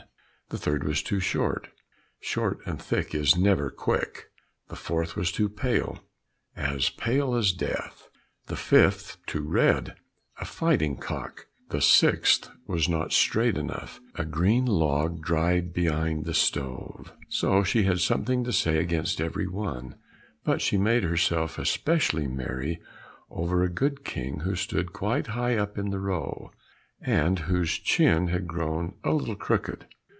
The third was too short, "Short and thick is never quick." The fourth was too pale, "As pale as death." The fifth too red, "A fighting cock." The sixth was not straight enough, "A green log dried behind the stove." So she had something to say against every one, but she made herself especially merry over a good king who stood quite high up in the row, and whose chin had grown a little crooked.